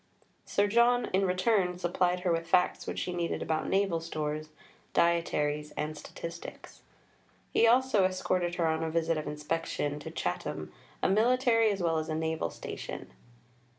Sir John in return supplied her with facts which she needed about naval stores, dietaries, and statistics. He also escorted her on a visit of inspection to Chatham, a military, as well as a naval, station.